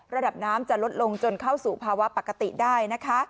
ระดับน้ำจะลดลงจนเข้าสู่ภาวะปกติได้นะคะ